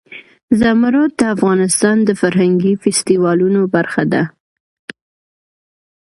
زمرد د افغانستان د فرهنګي فستیوالونو برخه ده.